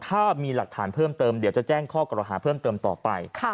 ถ้ามีหลักฐานเพิ่มเติมเดี๋ยวจะแจ้งข้อกรหาเพิ่มเติมต่อไป